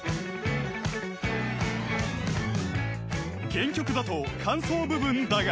［原曲だと間奏部分だが］